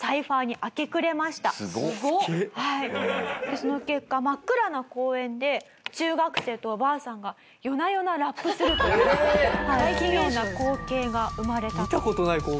その結果真っ暗な公園で中学生とおばあさんが夜な夜なラップするという奇妙な光景が生まれたと。